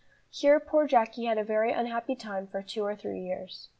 Here poor Jacky had a very unhappy time for two or three years.